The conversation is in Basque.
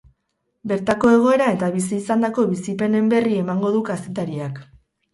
Bertako egoera eta bizi izandako bizipenen berri emango du kazetariak.